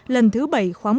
lần thứ bảy khoáng mở